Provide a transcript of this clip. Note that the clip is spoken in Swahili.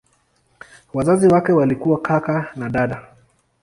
Wazazi wake walikuwa kaka na dada.